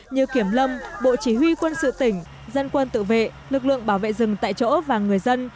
như kiểm lâm bộ chỉ huy quân sự tỉnh dân quân tự vệ lực lượng bảo vệ rừng tại chỗ và người dân